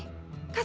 kasian kan era